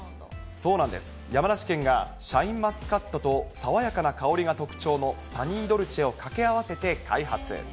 そうなんです、山梨県がシャインマスカットと、爽やかな香りが特徴のサニードルチェを掛け合わせて開発。